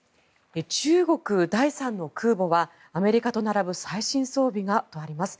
中国第３の空母はアメリカと並ぶ最新装備がとあります。